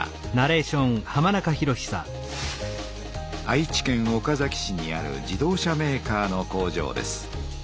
愛知県岡崎市にある自動車メーカーの工場です。